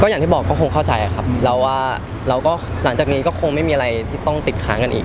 อย่างที่บอกก็คงเข้าใจครับเราว่าเราก็หลังจากนี้ก็คงไม่มีอะไรที่ต้องติดค้างกันอีก